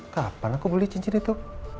kapan aku beli cincin itu